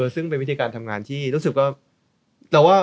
ซึ่งเป็นวิธีการทำงานที่รู้สึกว่า